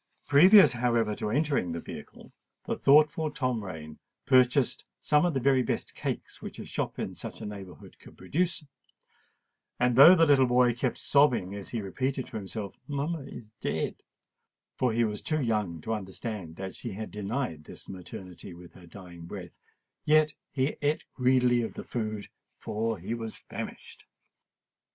Previously, however, to entering the vehicle, the thoughtful Tom Rain purchased some of the very best cakes which a shop in such a neighbourhood could produce; and, though the little boy kept sobbing as he repeated to himself, "Mamma is dead,"—for he was too young to understand that she had denied this maternity with her dying breath,—yet he ate greedily of the food—for he was famished.